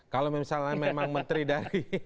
kalau misalnya memang menteri dari